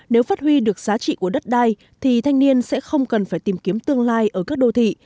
nếu phát huy được giá trị của đất đai thì thanh niên sẽ không cần phải tìm kiếm tương lai ở các đô thị